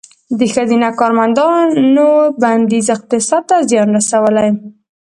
د ښځینه کارمندانو بندیز اقتصاد ته زیان رسولی؟